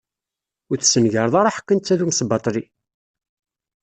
Ur tessengareḍ ara aḥeqqi netta d umesbaṭli!